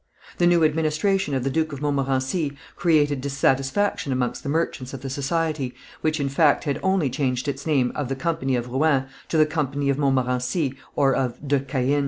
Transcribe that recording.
The new administration of the Duke of Montmorency created dissatisfaction amongst the merchants of the society, which in fact had only changed its name of the "Company of Rouen" to the "Company of Montmorency or of de Caën."